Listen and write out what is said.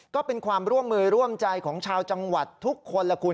ก็เป็นความร่วมมือร่วมใจของชาวจังหวัดทุกคนล่ะคุณ